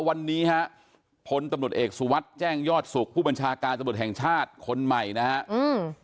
วันนี้ฮะพลตำรวจเอกสุวัสดิ์แจ้งยอดสุขผู้บัญชาการตำรวจแห่งชาติคนใหม่นะฮะอืม